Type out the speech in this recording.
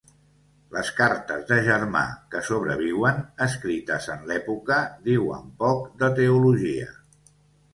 Les cartes de Germà que sobreviuen, escrites en l'època, diuen poc de teologia.